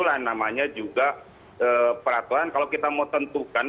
nah namanya juga peraturan kalau kita mau tentukan